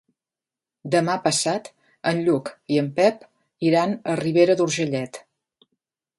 Demà passat en Lluc i en Pep iran a Ribera d'Urgellet.